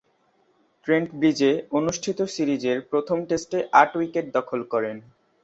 Trent ব্রিজে অনুষ্ঠিত সিরিজের প্রথম টেস্টে আট উইকেট দখল করেন।